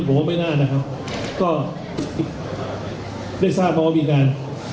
ผมว่าไม่น่านะครับก็ได้ทราบมาว่ามีการ